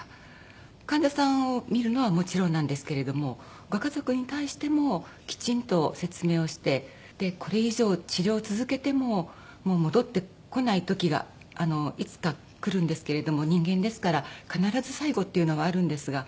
患者さんを診るのはもちろんなんですけれどもご家族に対してもきちんと説明をしてこれ以上治療を続けてももう戻ってこない時がいつかくるんですけれども人間ですから必ず最期っていうのはあるんですが。